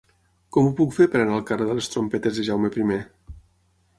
Com ho puc fer per anar al carrer de les Trompetes de Jaume I?